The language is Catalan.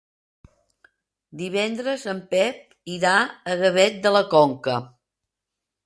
Divendres en Pep irà a Gavet de la Conca.